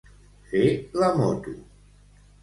Fer la moto.